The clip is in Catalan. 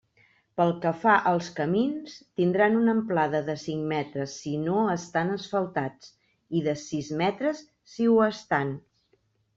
Pel que fa als camins, tindran una amplada de cinc metres si no estan asfaltats, i de sis metres si ho estan.